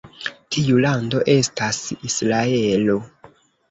Tiu lando estas Israelo.